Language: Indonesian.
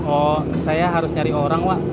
oh saya harus nyari orang pak